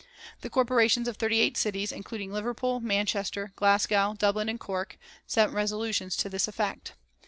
The Corporations of thirty eight cities, including Liverpool, Manchester, Glasgow, Dublin and Cork, sent resolutions to this effect.